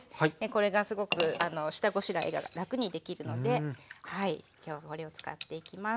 これがすごく下ごしらえが楽にできるので今日これを使っていきます。